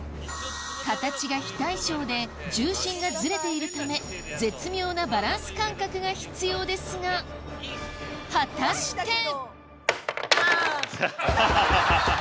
形が非対称で重心がずれているため絶妙なバランス感覚が必要ですが果たして⁉あぁ！